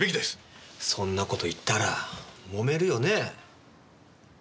そんな事言ったら揉めるよねぇ？